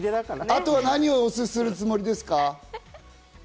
あとは何をするつもりですか？